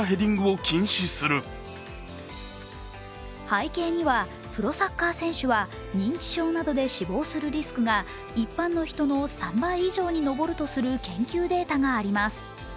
背景にはプロサッカー選手は認知症などで死亡するリスクが一般の人の３倍以上に上るとする研究データがあります。